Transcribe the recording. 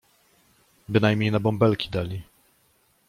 Bynajmniej na bąbelki dali.